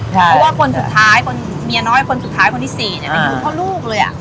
เพราะว่าคนสุดท้ายคนเมียน้อยคนสุดท้ายคนที่๔เนี่ยมันอยู่เพราะลูกเลยอ่ะ